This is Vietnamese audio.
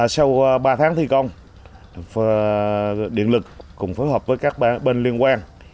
sau ba tháng thi công điện lực cùng phối hợp với các bên liên quan